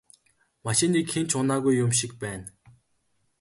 Машиныг хэн ч унаагүй юм шиг байна.